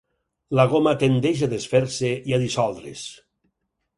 La goma tendeix a desfer-se i dissoldre's.